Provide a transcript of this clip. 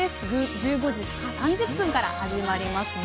１５時３０分から始まりますね。